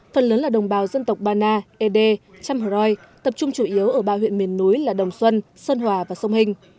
phần lớn là đồng bào dân tộc bana ede chamh roy tập trung chủ yếu ở ba huyện miền núi là đồng xuân sơn hòa và sông hình